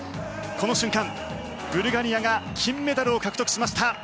この瞬間、ブルガリアが金メダルを獲得しました。